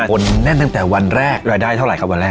คนแน่นตั้งแต่วันแรกรายได้เท่าไหร่ครับวันแรก